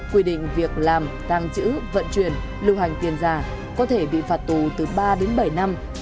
quy định việc làm tăng trữ vận chuyển lưu hành tiền giả có thể bị phạt tù từ ba đến bảy năm